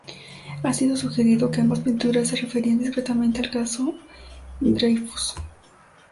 Ha sido sugerido que ambas pinturas se referían discretamente al Caso Dreyfus.